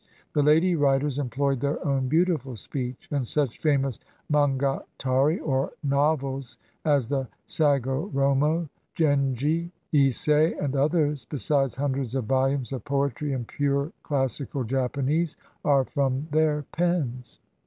The lady writers employed their own beautiful speech, and such famous monogatari, or novels, as the Sagoromo, Genji, Ise, and others, besides hundreds of volumes of poetry in pure classical Japanese, are from their pens.